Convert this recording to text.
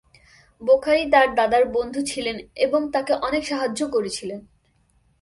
বোখারী তার দাদার বন্ধু ছিলেন এবং তাকে অনেক সাহায্য করেছিলেন।